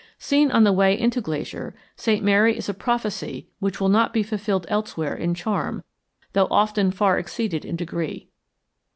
Seen on the way into Glacier, St. Mary is a prophecy which will not be fulfilled elsewhere in charm though often far exceeded in degree.